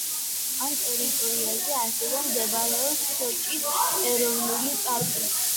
ამ ტერიტორიაზე ასევე მდებარეობს სოჭის ეროვნული პარკი.